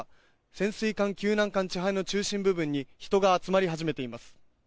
潜水艦救難艦「ちはや」の中心部分に人が集まり始めています。